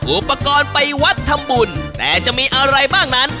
อุปกรณ์ไปวัดทำบุญแต่จะมีอะไรบ้างนั้น